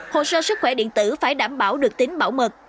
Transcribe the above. hồ sơ sức khỏe điện tử phải đảm bảo được tính bảo mật